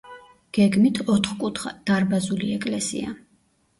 გეგმით ოთხკუთხა, დარბაზული ეკლესია.